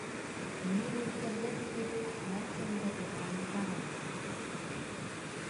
«Мин үлтерҙем» тип һәр кем дә иғлан итә алмай, әлбиттә.